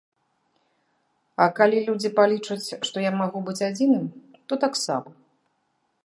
А калі людзі палічаць, што я магу быць адзіным, то таксама.